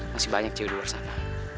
masih banyak cewek di luar sana